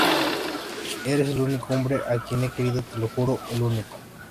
eres el único hombre a quien he querido, te lo juro, el único...